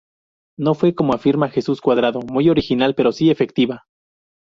No fue, como afirma Jesús Cuadrado, muy original, pero sí efectiva.